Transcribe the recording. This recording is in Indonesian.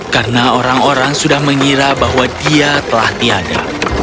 karena orang orang sudah mengira bahwa dia telah tiada